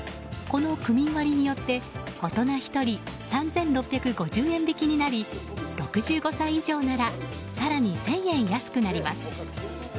この区民割によって大人１人３６５０円引きになり６５歳以上なら更に１０００円安くなります。